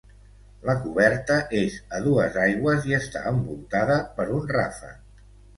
La coberta és a dues aigües i està envoltada per un ràfec.